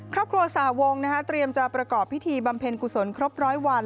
ครอบครัวสาวงค์นะคะเตรียมจะประกอบพิธีบำเพ็ญกุศลครบ๑๐๐วัน